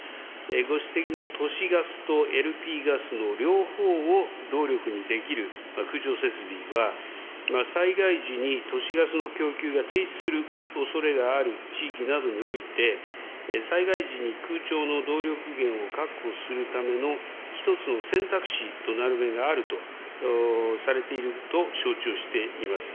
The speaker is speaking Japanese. ご指摘の都市ガスとＬＰガスの両方を動力にできる空調設備は、災害時に都市ガスの供給が停止するおそれがある地域などにおいて、災害時に空調の動力源を確保するための一つの選択肢となる面があると、されていると承知をしています。